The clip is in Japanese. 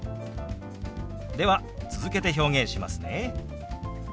では続けて表現しますね。